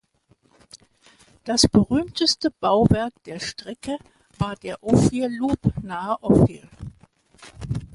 Das berühmteste Bauwerk der Strecke war der Ophir Loop nahe Ophir.